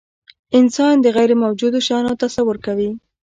انسان د غیرموجودو شیانو تصور کوي.